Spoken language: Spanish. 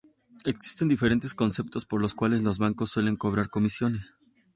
Existen diferentes conceptos por los cuales los bancos suelen cobrar comisiones.